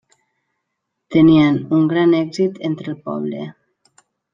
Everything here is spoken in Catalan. Tenien un gran èxit entre el poble.